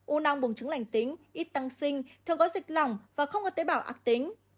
u năng buồng trứng lành tính ít tăng sinh thường có dịch lỏng và không có tế bào ác tính